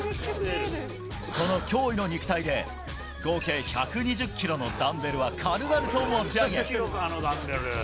その驚異の肉体で、合計１２０キロのダンベルは軽々と持ち上げる。